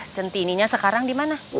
centininya sekarang di mana